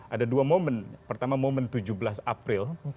ada dua momen pertama momen tujuh belas april